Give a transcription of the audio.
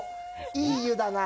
「いい湯だな」